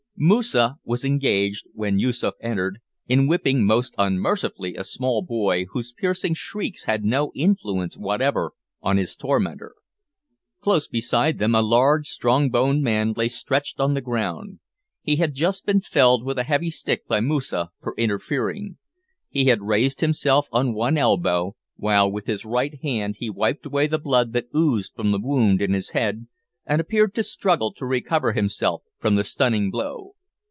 Moosa was engaged, when Yoosoof entered, in whipping most unmercifully a small boy whose piercing shrieks had no influence whatever on his tormentor. Close beside them a large strong boned man lay stretched on the ground. He had just been felled with a heavy stick by Moosa for interfering. He had raised himself on one elbow, while with his right hand he wiped away the blood that oozed from the wound in his head, and appeared to struggle to recover himself from the stunning blow.